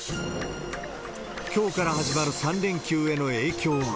きょうから始まる３連休への影響は？